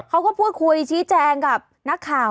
เขาก็พูดคุยชี้แจงกับนักข่าว